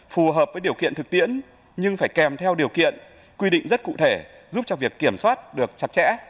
phù hợp với điều kiện thực tiễn nhưng phải kèm theo điều kiện quy định rất cụ thể giúp cho việc kiểm soát được chặt chẽ